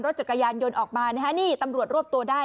จักรยานยนต์ออกมานะฮะนี่ตำรวจรวบตัวได้